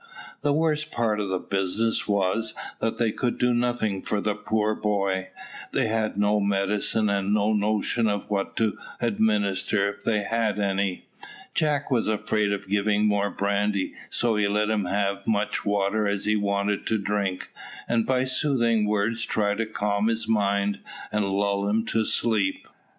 The worst part of the business was, that they could do nothing for the poor boy. They had no medicine, and had no notion of what to administer if they had had any. Jack was afraid of giving more brandy, so he let him have as much water as he wanted to drink; and by soothing words tried to calm his mind, and lull him to sleep.